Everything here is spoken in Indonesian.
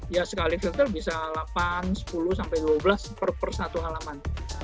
ya sekali filter bisa delapan sepuluh sampai dua belas per satu halaman